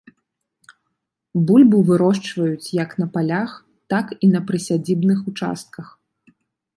Бульбу вырошчваюць як на палях, так і на прысядзібных участках.